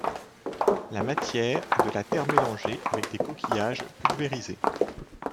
La matière est de la terre mélangée avec des coquillages pulvérisés.